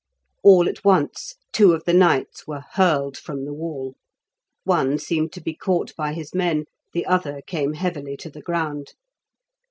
All at once two of the knights were hurled from the wall; one seemed to be caught by his men, the other came heavily to the ground.